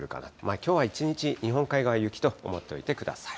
きょうは一日、日本海側、雪と思っておいてください。